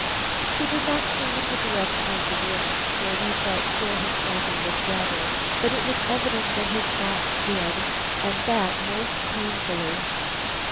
He did not turn in the direction of the room where we felt sure his family was gathered, but it was evident that his thoughts did, and that most painfully.